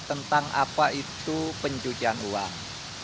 tentang apa itu pencucian uang